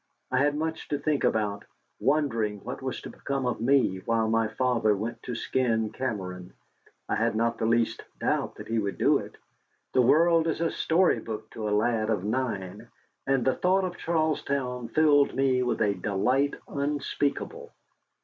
I had much to think about, wondering what was to become of me while my father went to skin Cameron. I had not the least doubt that he would do it. The world is a storybook to a lad of nine, and the thought of Charlestown filled me with a delight unspeakable.